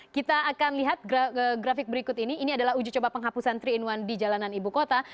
kita akan lihat grafik berikut ini ini adalah uji coba penghapusan tiga in satu di jalanan ibu kota